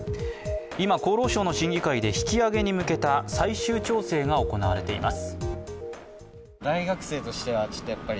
今、厚労省の審議会で引き上げに向けた最終調整が行われています。